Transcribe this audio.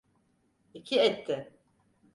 İki etti.